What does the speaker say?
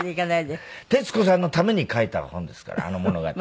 徹子さんのために書いた本ですからあの物語は。